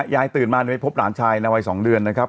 ยายตื่นมาไปพบหลานชายในวัย๒เดือนนะครับ